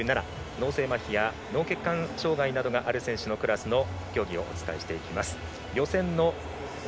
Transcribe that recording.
脳性まひや脳血管障がいなどがある選手の競技をお伝えしていきます。